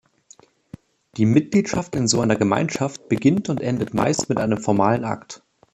Die Mitgliedschaft in so einer Gemeinschaft beginnt und endet meist mit einem formalen Akt.